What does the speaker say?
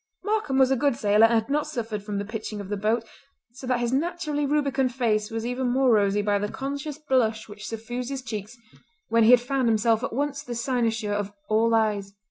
Markam was a good sailor and had not suffered from the pitching of the boat, so that his naturally rubicund face was even more rosy by the conscious blush which suffused his cheeks when he had found himself at once the cynosure of all eyes.